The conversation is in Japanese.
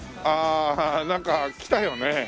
ああなんか来たよね。